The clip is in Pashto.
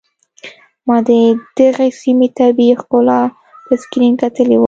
ما د دغې سيمې طبيعي ښکلا په سکرين کتلې وه.